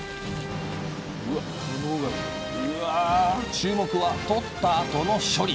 注目はとったあとの処理。